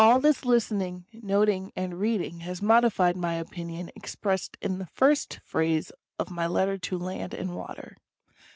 All this listening, noting and reading has modified my opinion, expressed in the first phrase of my letter to Land and Water.